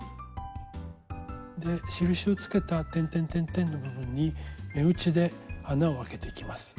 で印をつけたてんてんてんてんの部分に目打ちで穴を開けていきます。